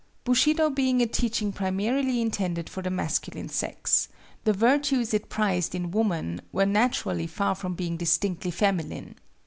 Bushido being a teaching primarily intended for the masculine sex, the virtues it prized in woman were naturally far from being distinctly feminine.